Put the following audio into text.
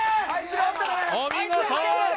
お見事！